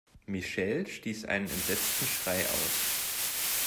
Michelle stieß einen entsetzten Schrei aus.